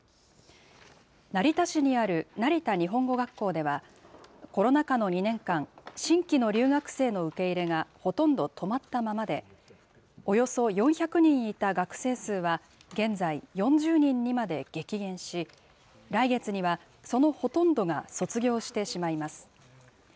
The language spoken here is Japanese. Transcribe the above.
成田市にある成田日本語学校では、コロナ禍の２年間、新規の留学生の受け入れがほとんど止まったままで、およそ４００人いた学生数は、現在、４０人にまで激減し、来月にはそのほとんどが卒業してしまいます。